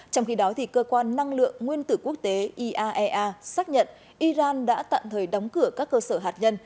trong khi đó cơ quan năng lượng nguyên tử quốc tế iaea xác nhận iran đã tạm thời đóng cửa các cơ sở hạt nhân